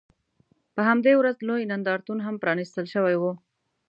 په همدې ورځ لوی نندارتون هم پرانیستل شوی و.